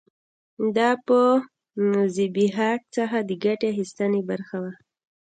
دا په زبېښاک څخه د ګټې اخیستنې برخه کې و